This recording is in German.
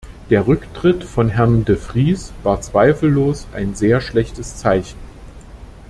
Der Rücktritt von Herrn de Vries war zweifellos ein sehr schlechtes Zeichen.